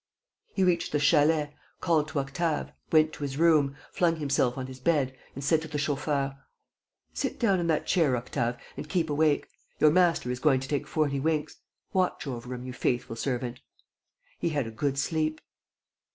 ..." He reached the chalet, called to Octave, went to his room, flung himself on his bed, and said to the chauffeur: "Sit down in that chair, Octave, and keep awake. Your master is going to take forty winks. Watch over him, you faithful servant." He had a good sleep.